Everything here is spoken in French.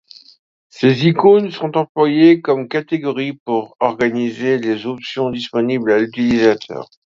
Ces icônes sont employées comme catégories pour organiser les options disponibles à l'utilisateur.